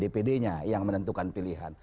dpd nya yang menentukan pilihan